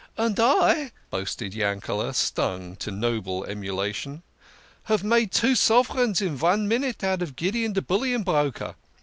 " And I," boasted Yankele', stung to noble emulation, " have made two sov'rans in von minute out of Gideon de bullion broker.